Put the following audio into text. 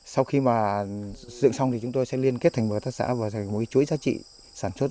sau khi mà dựng xong thì chúng tôi sẽ liên kết thành một hợp tác xã và thành một cái chuỗi giá trị sản xuất